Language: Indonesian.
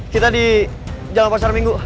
kita di jalan pasar minggu